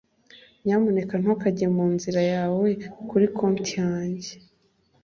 Nyamuneka ntukajye mu nzira yawe kuri konti yanjye.